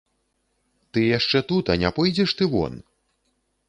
Ты яшчэ тут, а не пойдзеш ты вон?